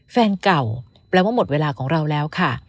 แฟนเก่าแปลว่าหมดเวลาของเราแล้วค่ะ